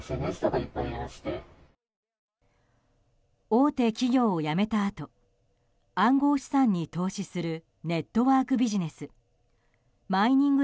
大手企業を辞めたあと暗号資産に投資するネットワークビジネスマイニング